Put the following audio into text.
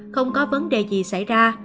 không có vấn đề gì xảy ra